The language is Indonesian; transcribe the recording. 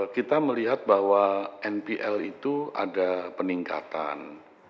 kita melihat bahwa npl itu ada peningkatan